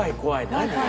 何？